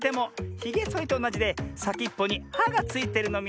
ひげそりとおなじでさきっぽにはがついてるのミズよ。